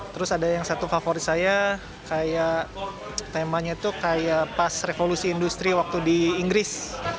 terus ada yang satu favorit saya kayak temanya tuh kayak pas revolusi industri waktu di inggris